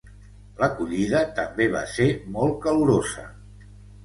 L'acollida també va ser molt calorosa.